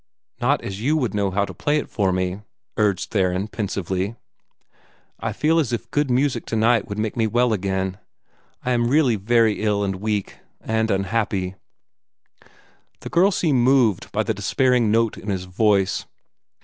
"Not as you would know how to play it for me," urged Theron, pensively. "I feel as if good music to night would make me well again. I am really very ill and weak and unhappy!" The girl seemed moved by the despairing note in his voice.